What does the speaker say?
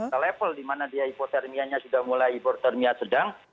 karena dia hipotermianya sudah mulai hipotermia sedang